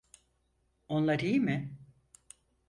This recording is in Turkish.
Onlar iyi mi?